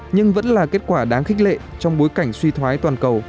nhưng vẫn là kết quả đáng khích lệ trong bối cảnh suy thoái toàn cầu